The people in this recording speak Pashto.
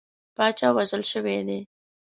پاچا وژل شوی دی.